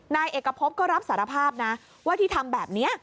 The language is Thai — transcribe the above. นายเอกพบก็รับสารภาพนะว่าที่ทำแบบนี้